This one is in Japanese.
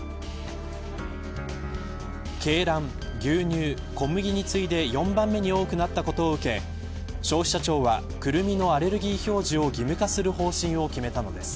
鶏卵、牛乳、小麦に次いで４番目に多くなったことを受け消費者庁はクルミのアレルギー表示を義務化する方針を決めたのです。